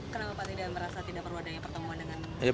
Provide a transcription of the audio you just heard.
kenapa pak tidak merasa tidak perlu adanya pertemuan dengan